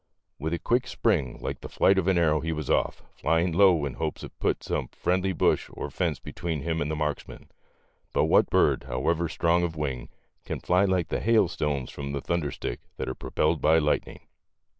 With a quick spring like the flight of an arrow he was off, flying low in hopes to put some friendly bush or fence between him and the marksman. But what bird, however strong of wing, can fly like the hailstones from the thunderstick that are pro pelled by lightning.